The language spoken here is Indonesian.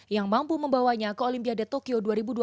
yang mampu membawanya ke olimpiade tokyo dua ribu dua puluh